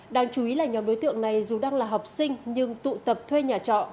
đáng chú ý là nhóm đối tượng này dù đang là học sinh nhưng tụ tập thuê nhà trọ